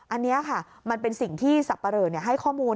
อันนี้ค่ะมันเป็นสิ่งที่สับปะเหลอให้ข้อมูล